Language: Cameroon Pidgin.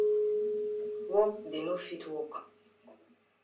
Wok dey no fit wok.